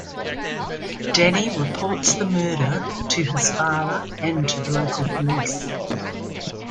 Danny reports the murder to his father and to the local police.